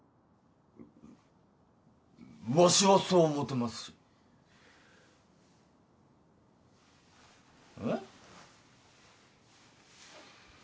わしはそう思うてますしえッ？